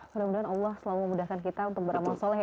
mudah mudahan allah selalu memudahkan kita untuk beramal soleh